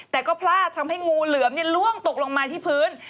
แต่ก็พลาดทำให้งูเหลือมล่วงตกลงมาที่พื้น